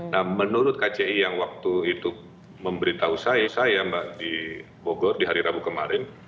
nah menurut kci yang waktu itu memberitahu saya saya mbak di bogor di hari rabu kemarin